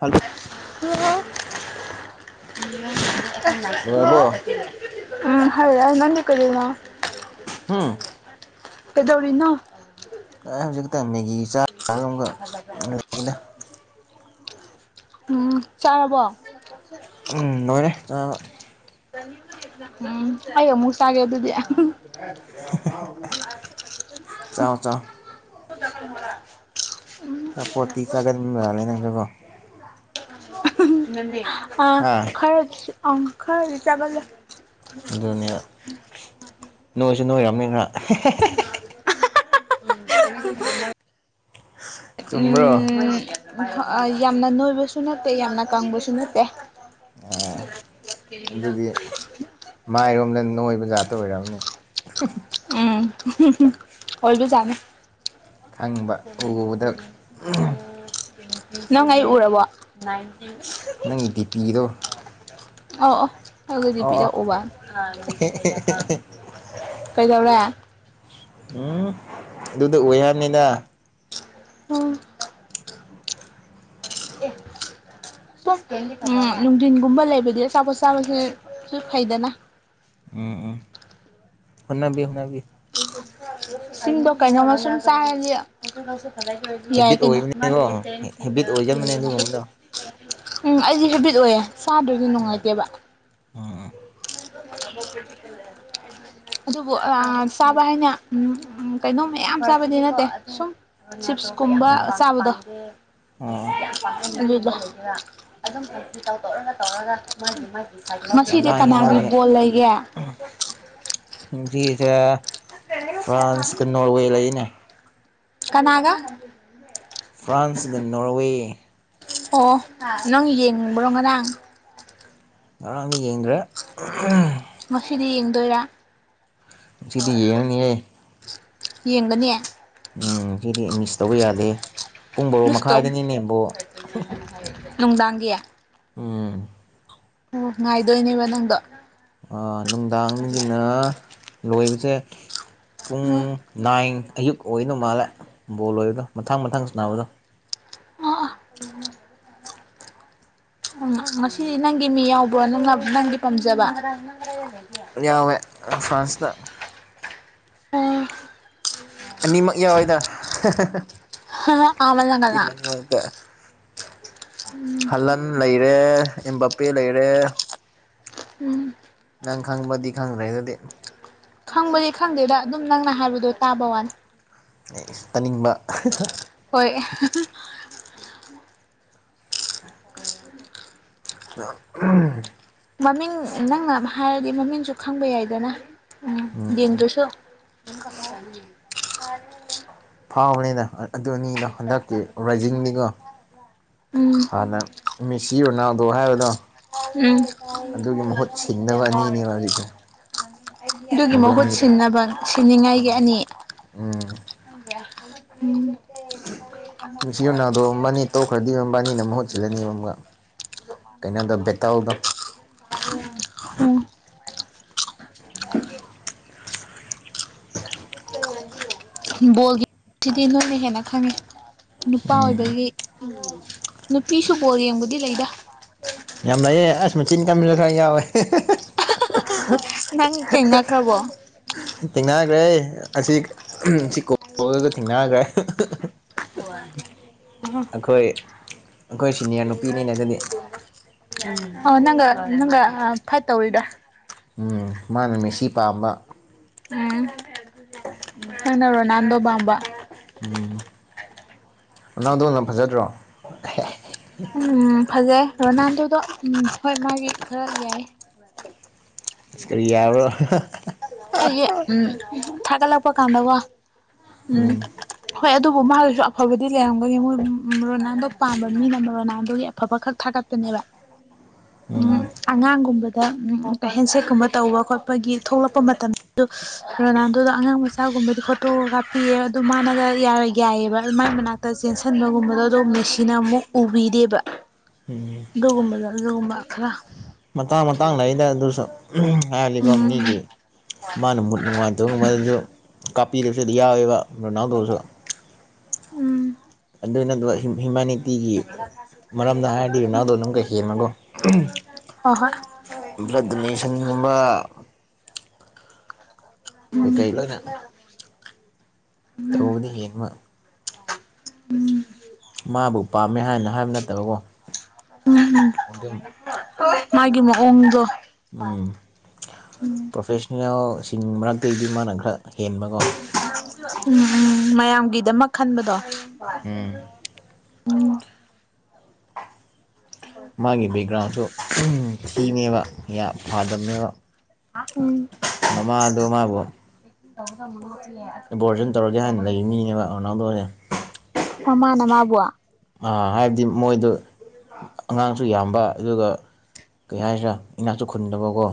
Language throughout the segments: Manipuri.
ꯍꯂꯣ ꯂꯣꯏꯔꯕꯣ [unintelligible] ꯎꯝ ꯍꯜꯂꯛ ꯅꯪꯅ ꯀꯩꯗꯧꯔꯤꯅꯣ ꯍꯨꯝ ꯀꯩꯗꯧꯔꯤꯅꯣ ꯀꯗꯩ ꯍꯧꯖꯤꯛ ꯇꯝꯃꯤꯒꯤ [unintelligible] ꯎꯝ ꯆꯥꯔꯕꯣ ꯎꯝ ꯂꯣꯏꯔꯦ ꯆꯥꯕ ꯎꯝ ꯑꯩ ꯑꯃꯨꯛ ꯆꯥꯒꯦ ꯑꯗꯨꯗꯤ ꯆꯥꯎ ꯆꯥꯎ [unintelligible] ꯑꯆꯥꯄꯣꯠꯇꯤ ꯆꯥꯒꯟꯕꯃꯂꯦ ꯅꯪꯁꯨꯀꯣ ꯑꯍꯨꯡ ꯑꯥ ꯍꯥ ꯈꯔꯗꯤ ꯑꯥ ꯈꯔꯗꯤ ꯆꯥꯒꯜꯂꯦ ꯑꯗꯨꯅꯦ ꯅꯣꯏꯁꯨ ꯅꯣꯏꯔꯝꯅꯤꯅ ꯑꯍꯥ ꯆꯨꯝꯕ꯭ꯔꯣ ꯍꯥ ꯍꯥ ꯎꯝ ꯌꯥꯝꯅ ꯅꯣꯏꯕꯁꯨ ꯅꯠꯇꯦ ꯌꯥꯝꯅ ꯀꯪꯕꯁꯨ ꯅꯠꯇꯦ ꯑꯗꯨꯗꯤ ꯃꯥꯏꯔꯣꯝꯗ ꯅꯣꯏꯕ ꯖꯥꯠꯇꯣ ꯑꯣꯏꯔꯝꯅꯤ ꯎꯝ ꯑꯍꯨ ꯍꯨꯝ ꯑꯣꯏꯕꯖꯠꯅꯦ ꯈꯪꯕ ꯎꯕꯗ [unintelligible] ꯅꯪ ꯑꯩ ꯎꯔꯕꯣ ꯅꯪꯒꯤ ꯗꯤꯄꯤꯗꯣ ꯑꯧ ꯑꯧ‌ ꯑꯗꯨꯗꯤ ꯑꯣ ꯑꯣ ꯄꯤꯔꯛꯎꯕ [unintelligible] ꯀꯩꯗꯧꯔꯦ ꯎꯝ ꯑꯗꯨꯗ ꯎꯏ ꯍꯥꯏꯝꯅꯤꯗ [inaudible] ꯑꯦ [unintelligible] [unintelligible] ꯎꯝ ꯅꯨꯡꯗꯤꯟꯒꯨꯝꯕ ꯂꯩꯕꯗꯤ ꯑꯆꯥꯄꯣꯠ ꯆꯥꯕꯁꯦ ꯁꯨ ꯐꯩꯗꯅ ꯎꯝ ꯎꯝ ꯍꯣꯠꯅꯕꯤꯌꯨ ꯍꯣꯠꯅꯕꯤꯌꯨ ꯆꯤꯟꯗꯣ ꯀꯩꯅꯣꯝꯃ ꯁꯨꯝ ꯆꯥꯔꯗꯤ [unintelligible] ꯌꯥꯏ ꯍꯦꯕꯤꯠ ꯀꯩꯅꯣ ꯑꯣꯏꯕꯅꯤꯀꯣ ꯍꯦꯕꯤꯠ ꯑꯣꯏꯒꯟꯕꯅꯦ ꯑꯗꯨꯒꯨꯝꯕꯗꯣ [unintelligible] ꯎꯡ ꯑꯩꯗꯤ ꯍꯦꯕꯤꯠ ꯑꯣꯏꯌꯦ ꯆꯥꯗ꯭ꯔꯗꯤ ꯎꯝ ꯅꯨꯡꯉꯥꯏꯇꯦꯕ [inaudible] ꯑꯗꯨꯕꯨ [unintelligible] ꯆꯥꯕ ꯍꯥꯏꯅ ꯎꯝ ꯀꯩꯅꯣꯝ ꯃꯌꯥꯝ ꯆꯥꯕꯗꯤ ꯅꯠꯇꯦ ꯁꯨꯝ ꯆꯤꯞꯁꯀꯨꯝꯕ ꯎꯝ ꯆꯥꯕꯗꯣ ꯉ ꯑꯣ ꯌꯥꯝ ꯄꯥꯝꯅ ꯍꯥꯏꯗꯔ ꯑꯗꯨꯝ ꯈꯁꯤ ꯇꯧꯊꯧꯔꯒ [unintelligible] [unintelligible] ꯐꯗ [unintelligible] ꯐ꯭ꯔꯥꯟꯁꯀ ꯅꯣꯔꯋꯦ ꯂꯩꯅꯦ ꯀꯅꯥꯒ ꯐ꯭ꯔꯥꯟꯁꯒ ꯅꯣꯔꯋꯦ ꯑꯣ ꯅꯪ ꯌꯦꯡꯕ꯭ꯔꯣ ꯉꯔꯥꯡ ꯉꯔꯥꯡ ꯌꯦꯡꯗ꯭ꯔꯦ ꯗꯣꯏꯔꯥ ꯉꯁꯤꯗꯤꯌꯦꯡꯅꯤꯌꯦ ꯌꯦꯡꯒꯅꯤ ꯎꯝ ꯁꯤꯗꯤ ꯃꯤꯁ ꯇꯧꯕ ꯌꯥꯗꯦ ꯄꯨꯡ ꯕꯔꯣ ꯃꯤꯁ ꯇꯧ ꯃꯈꯥꯏꯗꯅꯃꯤ ꯕꯣꯜ ꯅꯨꯡꯗꯥꯡꯒꯤ ꯎꯝ ꯑꯣ ꯉꯥꯏꯗꯣꯏꯅꯦꯕ ꯅꯪꯗꯣ ꯑꯥ ꯅꯨꯡꯗꯥꯡꯗꯒꯤꯅ ꯂꯣꯏꯕꯁꯦ ꯄꯨꯡ ꯎꯝ ꯅꯥꯏꯟ ꯑꯌꯨꯛ ꯑꯣꯏꯗꯧ ꯃꯥꯜꯂꯦ ꯕꯣꯜ ꯂꯣꯏꯔꯒ ꯃꯊꯪ ꯃꯊꯪ ꯁꯥꯟꯅꯕꯗꯣ ꯑꯥ ꯎꯝ ꯉꯁꯤꯗꯤ ꯅꯪꯒꯤ ꯃꯤ ꯌꯥꯎꯕ꯭ꯔꯣ ꯅꯪꯅ ꯅꯪꯒꯤ ꯄꯥꯝꯖꯕ ꯌꯥꯎꯋꯦ ꯐ꯭ꯔꯥꯟꯁꯇ ꯑꯣ ꯑꯅꯤꯃꯛ ꯌꯥꯎꯏꯗ ꯍꯥꯍꯥ ꯍꯥ ꯑꯥ ꯃꯂꯪꯒꯅ ꯇꯤꯝꯑꯅꯤꯃꯛꯇ ꯎꯝ ꯍꯂꯟ ꯂꯩ ꯔꯦ ꯏꯝꯕꯄꯦ ꯂꯩꯔꯦ ꯎꯝ ꯅꯪ ꯈꯪꯕꯗꯤ ꯈꯪꯗ꯭ꯔꯦ ꯑꯗꯨꯗꯤ ꯈꯪꯕꯗꯤ ꯈꯪꯗꯦꯗ ꯑꯗꯨꯝ ꯅꯪꯅ ꯍꯥꯏꯕꯗꯣ ꯇꯥꯕ ꯋꯥꯅꯤ ꯑꯣ ꯑꯣ ꯇꯥꯅꯤꯡꯕ ꯍꯣꯏ ꯔ ꯑꯍꯨ ꯃꯃꯤꯡ ꯅꯪꯅ ꯍꯥꯏꯔꯗꯤ ꯃꯃꯤꯡꯁꯨ ꯈꯪꯕ ꯌꯥꯏꯗꯅ ꯎꯝ ꯌꯦꯡꯗ꯭ꯔꯁꯨ ꯐꯥꯎꯕꯅꯤꯗ ꯑꯗꯨ ꯑꯅꯤꯗꯣ ꯍꯟꯗꯛꯀꯤ ꯔꯥꯏꯖꯤꯡꯅꯤꯒꯣ ꯎꯝ ꯍꯥꯟꯅ ꯃꯤꯁꯤ ꯔꯣꯅꯥꯜꯗꯣ ꯍꯥꯏꯕꯗꯣ ꯎꯝ ꯑꯗꯨꯒꯤ ꯃꯍꯨꯠ ꯁꯤꯟꯅꯕ ꯑꯅꯤꯅꯦꯕ ꯍꯧꯖꯤꯛꯁꯦ ꯑꯗꯨꯒꯤ ꯃꯗꯨ ꯃꯍꯨꯠ ꯑꯅꯤꯗꯣ ꯁꯤꯟꯅꯕ ꯁꯤꯅꯤꯉꯥꯏꯒꯤ ꯑꯅꯤ ꯎꯝ ꯃꯤꯁꯤ ꯔꯣꯅꯥꯜꯗꯣ ꯃꯕꯥꯅꯤ ꯇꯣꯛꯈ꯭ꯔꯗꯤ ꯃꯕꯥꯅꯤꯅ ꯃꯍꯨꯠ ꯁꯤꯜꯂꯅꯤꯕ ꯑꯃꯨꯛꯀ ꯀꯩꯅꯣꯗꯣ ꯕꯦꯇꯜꯗꯣ ꯎꯝ ꯕꯣꯜꯒꯤ ꯁꯤꯗꯤ ꯅꯣꯏꯅ ꯍꯦꯟꯅ ꯈꯪꯉꯤ ꯅꯨꯄꯥ ꯎꯝ ꯑꯣꯏꯕꯒꯤ ꯎꯝ ꯅꯨꯄꯤꯁꯨꯨ ꯕꯣꯜ ꯌꯦꯡꯕꯗꯤ ꯂꯩꯗ ꯌꯥꯝ ꯂꯩꯥꯌꯦ ꯑꯁ ꯃꯆꯤꯟ ꯀꯟꯕꯁꯨ ꯈꯔ ꯌꯥꯎꯋꯦ ꯅꯪ ꯊꯦꯡꯅꯈ꯭ꯔꯕꯣ ꯊꯦꯡꯅꯈ꯭ꯔꯦ ꯑꯁꯤ ꯁꯤ ꯀꯣꯜꯗꯒ ꯊꯦꯡꯅꯈ꯭ꯔꯦ ꯍꯣꯢ ꯑꯍꯣ ꯑꯩꯈꯣꯏ ꯑꯩꯈꯣꯏ ꯁꯤꯅꯤꯌꯔ ꯅꯨꯄꯤꯅꯤꯅꯦ ꯑꯗꯨꯗꯤ [unintelligible] ꯑ ꯅꯪꯒ ꯅꯪꯒ ꯐꯥꯏꯠ ꯇꯧꯔꯤꯔ ꯎꯝ ꯃꯥꯅ ꯃꯦꯁꯤ ꯄꯥꯝꯕ ꯎꯝ ꯅꯪꯅ ꯔꯣꯅꯥꯟꯗꯣ ꯄꯥꯝꯕ ꯎꯝ ꯔꯣꯅꯥꯟꯗꯣ ꯅ ꯐꯖꯗ꯭ꯔꯣ ꯎꯝ ꯐꯖꯩ ꯔꯣꯅꯥꯟꯗꯣꯗꯣ ꯎꯝ ꯍꯣꯏ ꯃꯥꯒꯤ ꯈꯔ ꯌꯥꯏ ꯑꯁ ꯀꯔꯤ ꯌꯥꯕ꯭ꯔꯣ ꯍꯥꯏꯗꯤ ꯎꯝ ꯊꯥꯒꯠꯂꯛꯄ ꯀꯥꯟꯗ ꯋꯥ ꯎꯝ ꯍꯣꯏ ꯑꯗꯨꯕꯨ ꯃꯥꯒꯤꯁꯨ ꯑꯐꯕꯗꯤ ꯂꯩꯔꯝꯒꯅꯤ ꯃꯣꯏ ꯔꯣꯅꯥꯜꯗꯣ ꯄꯥꯝꯕ ꯃꯤꯅ ꯔꯣꯅꯥꯜꯗꯣꯒꯤ ꯑꯐꯕ ꯈꯛ ꯊꯥꯒꯠ ꯊꯒꯠꯀꯅꯦꯕ ꯎꯝ ꯑꯉꯥꯡꯒꯨꯝꯕꯗ ꯎꯝ ꯇꯧ ꯍꯦꯟꯁꯦꯠꯀꯨꯝꯕ ꯇꯧꯕ ꯈꯣꯠꯄꯒꯤ ꯊꯣꯛꯂꯛꯄ ꯃꯇꯝꯗꯨ ꯔꯣꯅꯥꯜꯗꯣꯗ ꯑꯉꯥꯡ ꯃꯆꯥꯒꯨꯝꯕꯗꯤ ꯐꯣꯇꯣ ꯀꯥꯞꯄꯤꯌꯦ ꯑꯗꯨ ꯃꯥꯅꯒ ꯌꯥꯔ ꯌꯥꯏꯑꯕ ꯑꯗꯨ ꯃꯥꯏ ꯃꯅꯥꯛꯇ ꯆꯦꯟꯁꯤꯟꯕꯒꯨꯝꯕꯗꯣ ꯑꯗꯨꯝ ꯃꯦꯁꯤꯅ ꯑꯃꯨꯛ ꯎ ꯄꯤꯗꯦꯕ ꯎꯝ ꯑꯗꯨꯒꯨꯝꯕꯗꯣ ꯑꯗꯨꯒꯨꯝꯕ ꯈꯔ ꯃꯇꯥꯡ ꯃꯇꯥꯡ ꯂꯩꯌꯦꯗ ꯑꯗꯨꯁꯨ ꯍꯥꯏꯔꯗꯤꯀꯣ ꯎꯝ ꯃꯤꯒꯤ ꯃꯥꯅ ꯃꯨꯠ ꯅꯨꯡꯉꯥꯏꯇ ꯃꯗꯨꯁꯨ ꯀꯥꯞꯄꯤꯗꯕꯁꯨ ꯑꯗꯨ ꯌꯥꯎꯋꯦꯕ ꯔꯣꯅꯥꯜꯗꯣꯁꯨ ꯎꯝ ꯑꯗꯨꯅ ꯑꯗꯨꯋꯥ ꯍꯤꯡ ꯍꯤꯡꯕ ꯅꯤꯇꯤꯒꯤ ꯃꯔꯝꯗ ꯍꯥꯏꯔꯗꯤ ꯔꯣꯅꯜꯗꯣꯅ ꯑꯃꯨꯛꯀ ꯍꯦꯟꯕꯒꯣ ꯍꯣꯏ ꯍꯣꯏ ꯕ꯭ꯂꯠ ꯗꯣꯅꯦꯁꯟꯒꯨꯝꯕ ꯀꯩꯀꯩ ꯂꯣꯏꯅ ꯎꯝ ꯇꯧꯕꯗꯤ ꯍꯦꯟꯕ ꯎꯝ ꯎꯝ ꯃꯕꯨꯄꯥꯥ ꯑꯗꯨꯝ ꯎꯝ ꯃꯥꯒꯤ ꯃꯑꯣꯡꯗꯣ ꯎꯝ ꯎꯝ ꯄ꯭ꯔꯣꯐꯦꯁꯅꯦꯜ ꯃꯔꯛꯇꯩꯗꯤ ꯃꯥꯅ ꯈꯔ ꯍꯦꯟꯕ ꯀꯣ ꯎꯝ ꯎꯝ ꯃꯌꯥꯝꯒꯤꯗꯃꯛ ꯈꯟꯕꯗꯣ ꯎꯝ ꯎꯝ ꯃꯥꯒꯤ ꯕꯦꯛꯒ꯭ꯔꯥꯎꯟꯗꯨ ꯊꯤꯕꯅꯦꯕ ꯌꯥ ꯐꯥꯗꯕꯅꯦꯕ ꯎꯝ ꯃꯥꯃꯥ ꯗꯣ ꯃꯥꯕꯨ ꯑꯦꯕꯣꯔꯁꯟ ꯇꯧꯔꯒꯦ ꯍꯥꯏꯅ ꯂꯩꯕ ꯃꯤꯅꯦꯕ ꯔꯣꯅꯥꯜꯗꯣꯁꯦ ꯃꯃꯥꯅ ꯃꯕꯨ ꯑꯥ ꯍꯥꯏꯕꯗꯤ ꯃꯣꯏꯗꯣ ꯑꯉꯥꯡꯁꯨ ꯌꯥꯝꯕ ꯑꯗꯨꯒ ꯀꯩ ꯍꯥꯏꯁꯤꯔꯥ ꯏꯅꯥꯛꯁꯨ ꯈꯨꯟꯗꯕꯀꯣ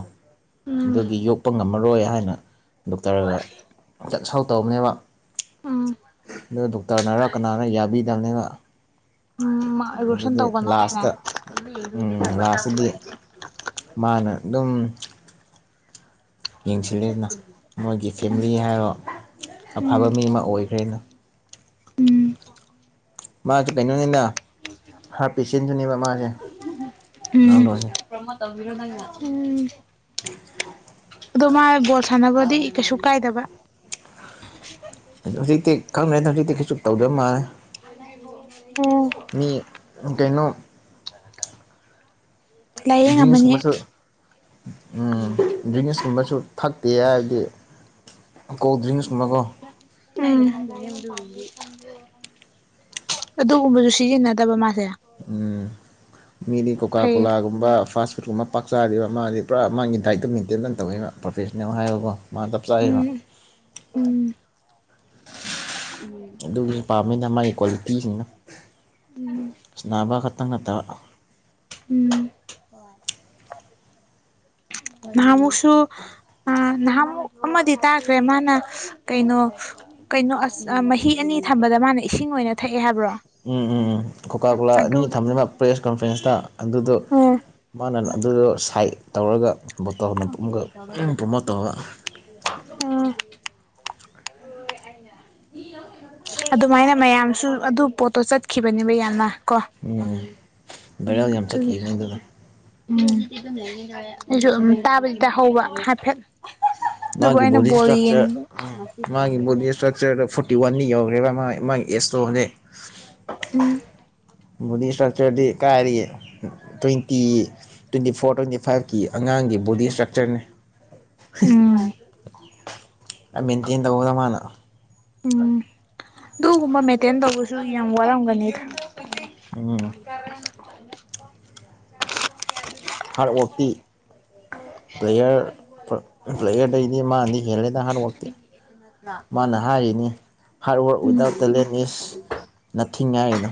ꯎꯝ ꯑꯗꯨꯒꯤ ꯌꯣꯛꯄ ꯉꯝꯃꯔꯣꯏ ꯍꯥꯏꯅ ꯗꯣꯛꯇꯔꯒ ꯆꯠ ꯁꯥꯎ ꯇꯧꯕꯅꯦꯕ ꯎꯝ ꯗꯣꯛꯇꯔ ꯅꯔꯥ ꯀꯅꯔꯥ ꯌꯥꯕꯤꯗꯕꯅꯤꯕ ꯎꯝ ꯔꯣꯁꯟ ꯑꯗꯨꯗꯤ ꯇꯧꯒꯅꯣ ꯂꯥꯁꯇ ꯍꯥꯏꯅ ꯎꯝ ꯂꯥꯁꯇꯗꯤ ꯃꯥꯅ ꯑꯗꯨꯝ ꯌꯦꯡꯁꯤꯂꯦꯗꯅ ꯃꯣꯏꯒꯤ ꯐꯦꯃꯤꯂꯤ ꯍꯥꯏꯔꯣ ꯎꯝ ꯑꯐꯕ ꯃꯤ ꯑꯃ ꯑꯣꯏꯈ꯭ꯔꯦꯅ ꯎꯝ ꯃꯥꯁꯨ ꯀꯩꯅꯣꯅꯤꯗ ꯍꯥꯔꯠꯄꯤꯁꯤꯟꯁꯨꯅꯦꯕ ꯃꯁꯦ ꯎꯝ ꯄ꯭ꯔꯃꯣꯠ ꯇꯧꯕꯤꯔꯣ ꯅꯪꯅ ꯎꯝ [inaudible] ꯑꯗꯣ ꯃꯥ ꯕꯣꯜ ꯁꯥꯟꯅꯕꯗꯤ ꯀꯩꯁꯨ ꯀꯥꯏꯗꯕ ꯍꯧꯖꯤꯛꯇꯤ ꯈꯪꯗ꯭ꯔꯦꯗ ꯍꯧꯖꯤꯛꯇꯤ ꯀꯩꯁꯨ ꯇꯧꯗꯕ ꯃꯥꯜꯂꯦ ꯃꯤ ꯀꯩꯅꯣ ꯂꯥꯏꯌꯦꯡꯉꯝꯃꯅꯤ ꯗ꯭ꯔꯤꯡꯁꯀꯨꯝꯕꯁꯨ ꯎꯝ ꯗ꯭ꯔꯤꯡꯁꯀꯨꯝꯕꯁꯨ ꯊꯛꯇꯦ ꯍꯥꯏꯔꯗꯤ ꯀꯣꯜ ꯗ꯭ꯔꯤꯡꯁ ꯎꯝ ꯑꯗꯨꯒꯨꯝꯕꯁꯨ ꯁꯤꯖꯤꯟꯅꯗꯕ ꯃꯥ ꯎꯝ ꯃꯤꯗꯤ ꯀꯣꯀꯥ ꯐꯩꯌꯦ ꯀꯣꯂꯥꯒꯨꯝꯕ ꯐꯁ ꯀꯨꯝꯕ ꯄꯛ ꯆꯥꯗꯦꯕ ꯃꯥꯗꯤ ꯄꯨꯔꯥ ꯃꯥꯒꯤ ꯗꯥꯏꯠꯇꯣ ꯃꯦꯟꯇꯦꯟ ꯇꯧꯋꯤꯕ ꯄ꯭ꯔꯣꯐꯦꯁꯅꯦꯜ ꯍꯥꯏꯕꯀꯣ ꯃꯥ ꯆꯞ ꯆꯥꯏꯌꯦꯕ ꯎꯝ ꯎꯝ ꯑꯗꯨꯒꯤ ꯄꯥꯝꯃꯤꯗ ꯃꯥꯒꯤ ꯀ꯭ꯋꯥꯂꯤꯇꯤꯁꯤꯡꯗꯣ ꯎꯝ ꯅꯥꯕ ꯈ ꯈꯇꯪ ꯅꯠꯇꯕ ꯎꯝ ꯅꯍꯟꯃꯨꯛꯁꯨ ꯑꯥ ꯅꯍꯟꯃꯨꯛ ꯑꯃꯗꯤ ꯇꯥꯈ꯭ꯔꯦ ꯃꯥꯅ ꯀꯩꯅꯣ ꯀꯩꯅꯣ ꯑꯁ ꯃꯍꯤ ꯑꯅꯤ ꯊꯝꯕꯗ ꯃꯥꯅ ꯏꯁꯤꯡ ꯑꯣꯏꯅ ꯊꯛꯑꯦ ꯍꯥꯏꯕ꯭ꯔꯣ ꯎꯝ ꯎꯝ ꯎꯝ ꯀꯣꯀꯥ ꯀꯣꯂꯥ ꯑꯗꯨ ꯑꯅꯤ ꯊꯝꯃꯤꯕ ꯄ꯭ꯔꯦꯁ ꯀꯟꯐ꯭ꯔꯦꯟꯁꯇ ꯑꯗꯨꯗꯣ ꯃꯥꯅ ꯑꯗꯨꯗꯣ ꯁꯥꯏꯠ ꯇꯧꯔꯒ ꯕꯣꯇꯜꯅ ꯑꯃꯨꯛꯀ ꯄ꯭ꯔꯣꯃꯣꯠ ꯇꯧꯕ ꯑꯝ ꯑꯗꯨꯃꯥꯏꯅ ꯃꯌꯥꯝꯁꯨ ꯑꯗꯨ ꯄꯣꯠꯇꯣ ꯆꯠꯈꯤꯕꯅꯦꯕ ꯌꯥꯝꯅ ꯀꯣ ꯎꯝ ꯎꯝ ꯚꯥꯏꯔꯦꯜ ꯌꯥꯝ ꯑꯗꯨꯏ ꯆꯠꯈꯤꯕꯅꯦ ꯑꯗꯨꯅ ꯎꯝ ꯑꯩꯁꯨ ꯑꯗꯨ ꯇꯥꯕꯗꯤ ꯇꯥꯍꯧꯕ ꯍꯥꯏꯐꯦꯠ ꯑꯗꯨꯕꯨ ꯃꯥꯒꯤ ꯑꯩꯅ ꯕꯣꯗꯤ ꯕꯣꯜ ꯁꯇ꯭ꯔꯛꯆꯔ ꯌꯦꯡꯕ ꯎꯝ ꯃꯥꯒꯤ ꯕꯣꯗꯤ ꯏꯁꯇ꯭ꯔꯛꯆꯔꯗ ꯐꯨꯠ ꯋꯥꯟꯅꯤ ꯌꯧꯈ꯭ꯔꯦꯕ ꯃꯥ ꯃꯥ ꯑꯦꯁ ꯇꯣꯗꯤ ꯎꯝ ꯕꯣꯗꯤ ꯏꯁꯇ꯭ꯔꯛꯆꯔꯗꯤ ꯀꯥꯏꯔꯤꯌꯦ ꯇ꯭ꯋꯦꯟꯇꯤ ꯇ꯭ꯋꯦꯟꯇꯤ ꯐꯣꯔ ꯇ꯭ꯋꯦꯟꯇꯤ ꯐꯥꯏꯚꯀꯤ ꯑꯉꯥꯡꯒꯤ ꯕꯣꯗꯤ ꯏꯁꯇ꯭ꯔꯛꯆꯔꯅꯤ ꯎꯝ ꯑꯥ ꯃꯦꯟꯇꯦꯟ ꯇꯧꯕꯗ ꯃꯥꯅ ꯎꯝ ꯑꯗꯨꯒꯨꯝꯕ ꯃꯦꯟꯇꯦꯟ ꯇꯧꯕꯁꯨ ꯌꯥꯝ ꯋꯥꯔꯝꯒꯅꯤꯗ [inaudible] ꯎꯝ ꯍꯥꯔꯠ ꯋꯥꯔꯇꯤ ꯄ꯭ꯂꯦꯌꯔ ꯄ꯭ꯂꯦꯌꯔꯗꯩꯗꯤ ꯃꯥꯅꯗꯤ ꯍꯦꯜꯂꯦ ꯍꯥꯔꯗ ꯋꯥꯔꯛꯇꯤ ꯃꯥꯅ ꯍꯥꯏꯔꯤꯅꯤ hard work um without talent is nothing ꯍꯥꯏꯅꯤ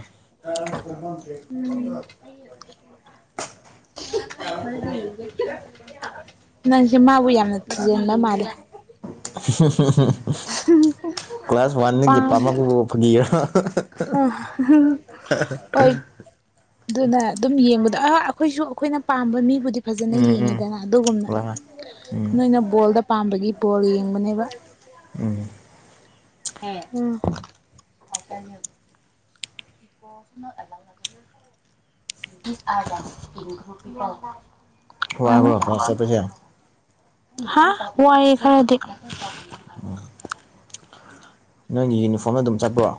[inaudible] ꯅꯪꯁꯦ ꯃꯥꯕꯨ ꯌꯥꯝꯅ ꯊꯤꯖꯤꯟꯕ ꯃꯥꯂꯦ [unintelligible] ꯀ꯭ꯂꯥꯁ [inaudible] ꯑ ꯋꯥꯟꯗꯒꯤ ꯄꯥꯝꯃꯛꯄꯕꯨ ꯐꯥꯒꯤꯔꯣ [unintelligible] ꯍꯣꯏ ꯑꯗꯨꯅ ꯑꯗꯨꯝ ꯌꯦꯡꯕꯗ ꯑ ꯑꯩꯈꯣꯏꯁꯨ ꯑꯩꯈꯣꯏꯅ ꯄꯥꯝꯕ ꯃꯤꯕꯨꯗꯤ ꯐꯖꯅ ꯎꯝ ꯎꯝ ꯌꯦꯡꯉꯤꯗꯅ ꯑꯗꯨꯒꯨꯝꯅ ꯎꯝ ꯅꯣꯏꯅ ꯕꯣꯜꯗ ꯄꯥꯝꯕꯒꯤ ꯕꯣꯜ ꯌꯦꯡꯕꯅꯦꯕ ꯎꯝ ꯍ ꯎꯝ [unintelligible] ꯗꯤꯑꯔꯗꯔ ꯏꯟ ꯒ꯭ꯔꯨ ꯄꯤꯄꯜ ꯋꯥꯕꯣ ꯀ꯭ꯂꯥꯁ ꯆꯠ ꯄꯒꯤ ꯍꯥ ꯋꯥꯏꯌꯦ ꯈꯔꯗꯤ ꯑꯣ ꯅꯪꯒꯤ ꯌꯨꯅꯤꯐꯣꯔꯝꯗ ꯑꯗꯨꯝ ꯆꯠꯄ꯭ꯔꯣ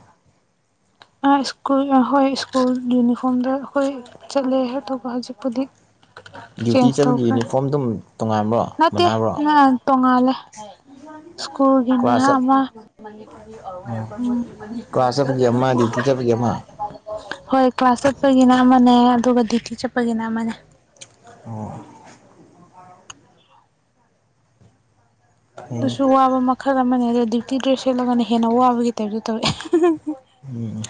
[inaudible] ꯍꯣꯢ ꯁꯀꯨꯜ ꯑꯩꯈꯣꯏ ꯁ꯭ꯀꯨꯜ ꯌꯨꯅꯤꯐꯣꯔꯝꯗ ꯑꯩꯈꯣꯏ ꯆꯠꯂꯦ ꯑꯗꯨꯒ ꯍꯧꯖꯤꯛꯄꯨꯗꯤ ꯗ꯭ꯌꯨꯇꯤ ꯆꯦꯟꯖ ꯆꯠꯄꯒꯤ ꯇꯧꯈ꯭ꯔꯦ ꯌꯨꯅꯤꯐꯣꯔꯝ ꯑꯗꯨꯝ ꯇꯣꯉꯥꯟꯕ꯭ꯔꯣ ꯅꯠꯇꯦ ꯃꯥꯅꯕ꯭ꯔꯣ ꯇꯣꯡꯉꯥꯜꯂꯦ ꯁ꯭ꯀꯨꯜꯒꯤꯅ ꯀ꯭ꯂꯥꯁ ꯆꯠ ꯑꯃ ꯎ ꯑꯣ ꯀ꯭ꯂꯥꯁ ꯆꯠꯄꯒꯤ ꯑꯃ ꯗ꯭ꯌꯨꯇꯤ ꯆꯠꯄꯒꯤ ꯑꯃ [unintelligible] ꯍꯣꯏ ꯀ꯭ꯂꯥꯁ ꯆꯠꯄꯒꯤꯅ ꯑꯃꯅꯦ ꯑꯗꯨꯒ ꯗ꯭ꯌꯨꯇꯤ ꯆꯠꯄꯒꯤꯅ ꯑꯃꯅꯦ ꯑꯣ ꯐꯩꯅꯦ ꯑꯗꯨꯁꯨ ꯋꯥꯕ ꯃꯈꯜ ꯑꯃꯅꯦ ꯑꯗꯨꯗ ꯗ꯭ꯌꯨꯇꯤ ꯗ꯭ꯔꯦꯁ ꯁꯦꯠꯂꯒꯅ ꯍꯦꯟꯅ ꯋꯥꯕꯒꯤ ꯇꯥꯏꯞꯇ ꯇꯧꯋꯦ ꯎꯝ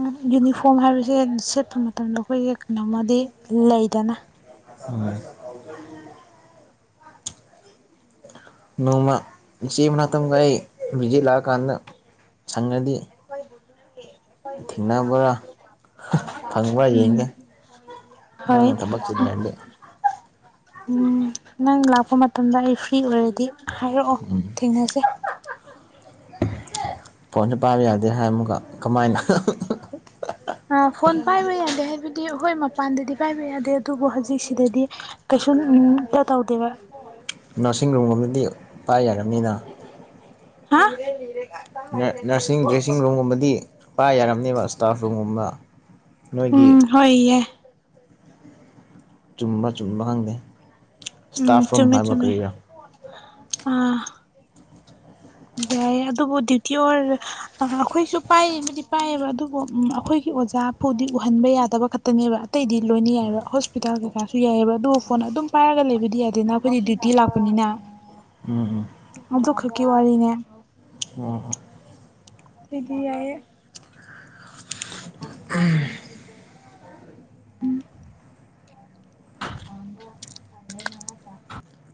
ꯎ ꯌꯨꯅꯤꯐꯣꯔꯝ ꯍꯥꯏꯕꯁꯦ ꯁꯦꯠꯄ ꯃꯇꯝꯗ ꯑꯩꯈꯣꯏꯒꯤ ꯀꯩꯅꯣꯝꯃꯗꯤ ꯂꯩꯗꯅ [unintelligible] ꯅꯣꯡꯃ ꯏ ꯆꯦ ꯃ ꯃꯇꯝ ꯀꯥꯏ ꯕꯤꯖ ꯂꯥꯛꯑꯀꯥꯟꯗ ꯁꯪꯒꯗꯤ ꯊꯦꯡꯅꯕ꯭ꯔꯥ ꯐꯪꯕ꯭ꯔꯥ ꯎꯝ ꯌꯦꯡꯒꯦ ꯍꯣꯏ ꯅꯪ ꯊꯕꯛ ꯆꯤꯟꯂꯗꯤ ꯎꯝ ꯅꯪ ꯂꯛ ꯄ ꯃꯇꯝꯗ ꯑꯩ ꯐ꯭ꯔꯤ ꯑꯣꯏꯔꯗꯤ ꯍꯥꯏꯔꯛꯑꯣ ꯎꯝ ꯊꯦꯡꯅꯁꯦ ꯐꯣꯟꯁꯨ ꯄꯥꯏꯕ ꯌꯥꯗꯦ ꯍꯥꯏ ꯑꯃꯨꯀ ꯀꯃꯥꯏꯅ ꯑ ꯐꯣꯟ ꯄꯥꯏꯕ ꯌꯥꯗꯦ ꯍꯥꯏꯕ ꯗꯤ ꯍꯣꯏ ꯃꯄꯥꯟꯗꯗꯤ ꯄꯥꯏꯕ ꯌꯥꯗꯦ ꯑꯗꯨꯕꯨ ꯍꯧꯖꯤꯛꯁꯤꯗꯗꯤ ꯀꯩꯁꯨꯝꯇ ꯇꯧꯗꯦꯕ ꯅꯔꯁꯤꯡ ꯔꯨꯝꯒꯨꯝꯕꯗꯤ ꯄꯥꯏ ꯌꯥꯝꯅꯤꯅ ꯍꯥ ꯅ ꯅꯔꯁꯤꯡ ꯗ꯭ꯔꯦꯁꯤꯡ ꯔꯨꯝꯒꯨꯝꯕꯗꯤ ꯄꯥꯏ ꯌꯥꯔꯝꯅꯦꯕ ꯏꯁꯇꯥꯐ ꯔꯨꯝꯒꯨꯝꯕ ꯅꯣꯏꯒꯤ ꯎꯝ ꯍꯣꯏꯌꯦ ꯆꯨꯝꯕ ꯆꯨꯝꯕ ꯈꯪꯗꯦ ꯎꯝ ꯏꯁꯇꯥꯐ ꯔꯨꯝ ꯆꯨꯝꯃꯦ ꯍꯥꯏꯕ ꯆꯨꯝꯃꯦ ꯀꯔꯤꯔꯥ ꯑꯥ ꯌꯥꯏꯌꯦ ꯑꯗꯨꯕꯨ ꯗ꯭ꯌꯨꯇꯤ ꯑꯣꯔ ꯑꯩꯈꯣꯏꯁꯨ ꯄꯥꯏꯔꯤꯁꯤꯗꯤ ꯄꯥꯏꯑꯕ ꯑꯗꯨꯕꯨ ꯎ ꯑꯩꯈꯣꯏꯒꯤ ꯑꯣꯖꯥ ꯐꯨꯗꯤ ꯎꯍꯟꯕ ꯌꯥꯗꯕ ꯈꯛꯇꯅꯦꯕ ꯑꯇꯩꯗꯤ ꯂꯣꯏꯅ ꯌꯥꯏꯕ ꯍꯣꯁꯄꯤꯇꯥꯜ ꯀꯩꯀꯥꯁꯨ ꯌꯥꯏꯑꯦꯕ ꯑꯗꯨꯕꯨ ꯐꯣꯟ ꯑꯗꯨꯝ ꯄꯥꯏꯔꯒ ꯂꯩꯕꯗꯤ ꯌꯥꯗꯦꯅ ꯑꯩꯈꯣꯏꯗꯤ ꯗ꯭ꯌꯨꯇꯤ ꯂꯥꯛꯄꯅꯤꯅ ꯎꯝ ꯎꯝ ꯗꯨꯀꯤ ꯋꯥꯔꯤꯅꯦ ꯎꯝ ꯇꯩꯗꯤ ꯌꯥꯢꯌꯦ ꯎꯝ [unintelligible]